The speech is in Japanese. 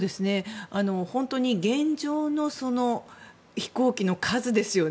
本当に現状の飛行機の数ですよね。